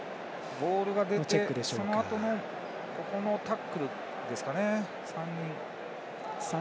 ボールが出てそのあとのタックルですかね。